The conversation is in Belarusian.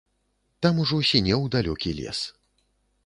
Там ужо сінеў далёкі лес.